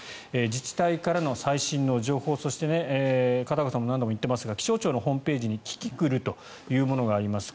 自治体からの最新の情報そして、片岡さんも何度も言っていますが気象庁のホームページにキキクルというものがあります。